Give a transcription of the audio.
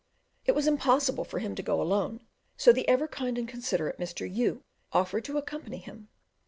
It was impossible for him to go alone; so the ever kind and considerate Mr. U offered to accompany him.